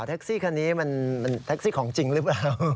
แท็กซี่คันนี้มันแท็กซี่ของจริงหรือเปล่า